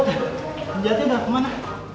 penjahatnya udah kemana